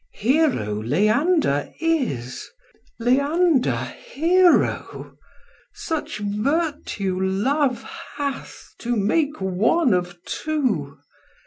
Hero Leander is, Leander Hero; Such virtue love hath to make one of two.